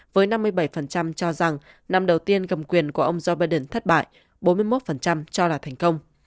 với năm mươi bảy cho rằng năm đầu tiên cầm quyền của ông joe biden thất bại bốn mươi một cho là thành công